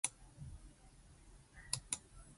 "Yoshi's Cookie" has different game modes.